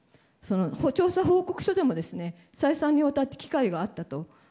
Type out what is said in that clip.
調査報告書でも再三にわたって機会があったと。